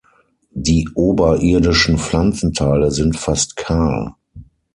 Die oberirdischen Pflanzenteile sind fast kahl.